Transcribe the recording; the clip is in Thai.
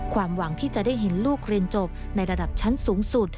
ความหวังที่จะได้เห็นลูกเรียนจบในระดับชั้นสูงสุด